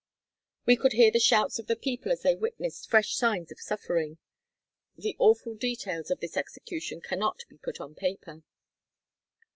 We could hear the shouts of the people as they witnessed fresh signs of suffering. The awful details of this execution cannot be put on paper.